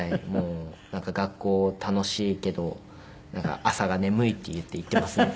なんか学校楽しいけど朝が眠いって言って行ってますね。